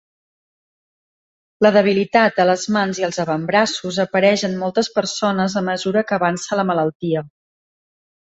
La debilitat a les mans i els avantbraços apareix en moltes persones a mesura que avança la malaltia.